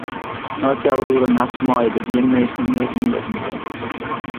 Nei fjouwer oere nachts meie der gjin minsken mear yn litten wurde.